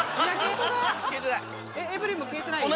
エブリンも消えてない？